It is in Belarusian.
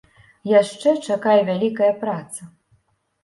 Яшчэ чакае вялікая праца.